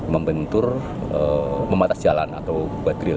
membentur mematas jalan atau buat drill